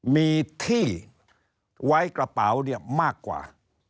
มีที่ไว้กระเป๋ามากกว่า